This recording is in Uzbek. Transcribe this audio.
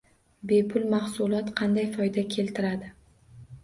Bepul mahsulot qanday foyda keltiradi